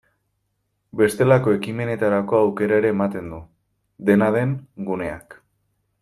Bestelako ekimenetarako aukera ere ematen du, dena den, guneak.